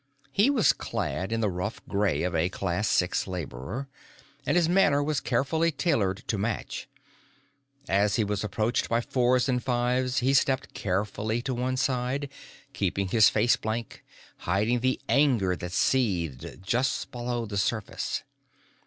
He was clad in the rough gray of a Class Six laborer, and his manner was carefully tailored to match. As he was approached by Fours and Fives, he stepped carefully to one side, keeping his face blank, hiding the anger that seethed just beneath the surface.